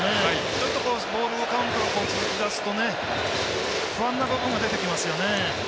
ちょっとボールカウントが続きだすと不安な部分も出てきますよね。